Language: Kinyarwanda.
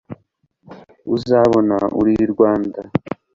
uzabona uri i rwanda